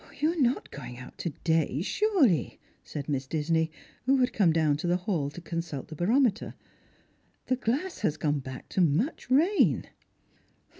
" You arc not going out to day, surely," said Miss Disney, who had come down to the hall to consult the barometer ;" the glass has gone back to much rain."